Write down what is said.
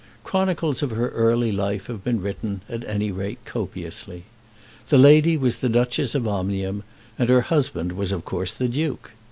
Chronicles of her early life have been written, at any rate copiously. The lady was the Duchess of Omnium, and her husband was of course the Duke.